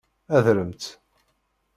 Adremt.